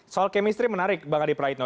soal kemistri menarik bang adi praitno